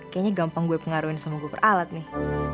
kayaknya gampang gue pengaruhin sama gue peralat nih